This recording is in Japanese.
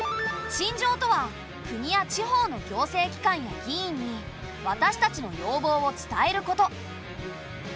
陳情とは国や地方の行政機関や議員に私たちの要望を伝えること。